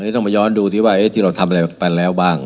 ต้องมาย้อนดูที่ว่าที่เราทำอะไรไปแล้วบ้าง